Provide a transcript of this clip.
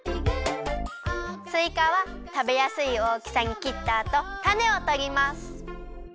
すいかはたべやすいおおきさにきったあとたねをとります。